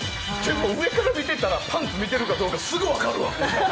上から見てたらパンツ見てるかどうかすぐ分かるわ。